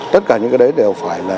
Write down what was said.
tất cả những cái đấy đều phải là